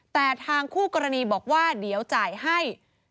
แต่ทางคู่กรณีบอกว่าเดี๋ยวจ่ายให้